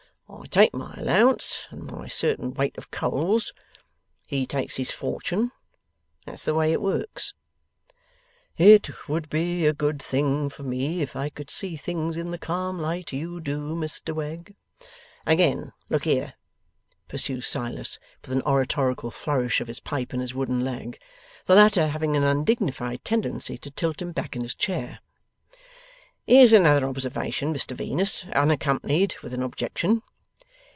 I take my allowance and my certain weight of coals. He takes his fortune. That's the way it works.' 'It would be a good thing for me, if I could see things in the calm light you do, Mr Wegg.' 'Again look here,' pursues Silas, with an oratorical flourish of his pipe and his wooden leg: the latter having an undignified tendency to tilt him back in his chair; 'here's another observation, Mr Venus, unaccompanied with an objection.